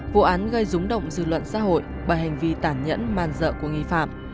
vụ án gây rúng động dư luận xã hội bởi hành vi tản nhẫn man dợ của nghi phạm